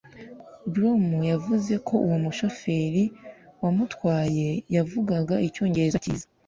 Brom yavuze ko uwo mushoferi wamutwaye yavugaga Icyongereza cyiza